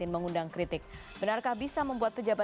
terima kasih ibu linda